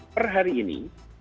per hari ini